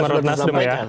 sudah sudah tersampaikan